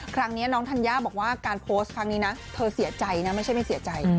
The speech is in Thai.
ครั้งนี้น้องธัญญาบอกว่าการโพสต์ครั้งนี้นะเธอเสียใจนะไม่ใช่ไม่เสียใจ